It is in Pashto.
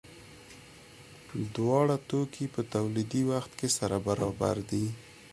دواړه توکي په تولیدي وخت کې سره برابر دي.